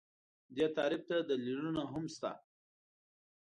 دې تعریف ته دلیلونه هم شته